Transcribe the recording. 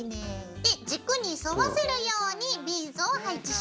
で軸に沿わせるようにビーズを配置します。